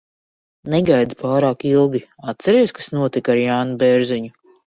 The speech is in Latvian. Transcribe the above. Negaidi pārāk ilgi. Atceries, kas notika ar Jāni Bērziņu?